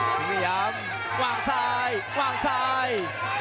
พยายามกวางซ้ายกว้างซ้าย